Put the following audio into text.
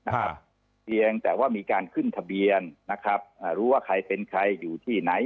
เพียงแต่ว่ามีการขึ้นทะเบียนนะครับอ่ารู้ว่าใครเป็นใครอยู่ที่ไหน